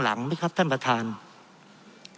เพราะเรามี๕ชั่วโมงครับท่านนึง